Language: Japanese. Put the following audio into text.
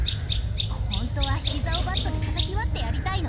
ほんとは膝をバットでたたき割ってやりたいの。